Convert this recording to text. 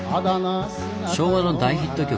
昭和の大ヒット曲